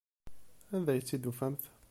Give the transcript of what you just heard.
Anda ay tt-id-tufamt?